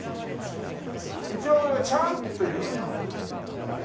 一番上は「贊」というふうに読めんですよ。